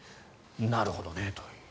なるほどねという。